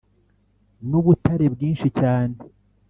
n ubutare bwinshi cyane